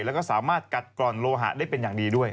แล้วก็สามารถกัดกร่อนโลหะได้เป็นอย่างดีด้วย